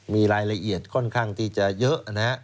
มีรายละเอียดค่อนข้างที่จะเยอะนะฮะ